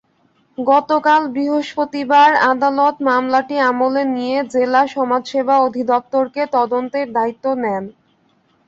গতকাল বৃহস্পতিবার আদালত মামলাটি আমলে নিয়ে জেলা সমাজসেবা অধিদপ্তরকে তদন্তের দায়িত্ব দেন।